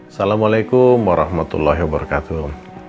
assalamualaikum warahmatullahi wabarakatuh